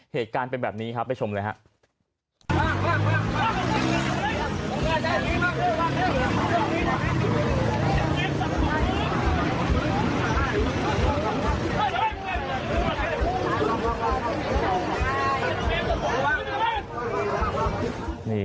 เหตุการณ์เป็นแบบนี้ครับไปชมเลยครับ